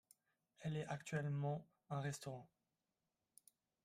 Elle est actuellement un restaurant.